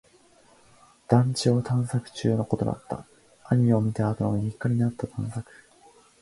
団地を探索中のことだった。アニメを見たあとの日課になった探索。